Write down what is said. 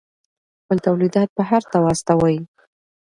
خپل تولیدات بهر ته واستوئ.